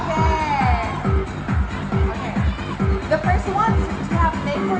ไม่เป็นพวกฮัดียะหรออันนี้ฮัดียะอร่อย